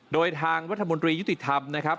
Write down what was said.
โดยทางรัฐมนตรียุติธรรมนะครับ